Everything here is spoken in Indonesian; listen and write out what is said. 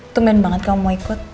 tumen banget kamu mau ikut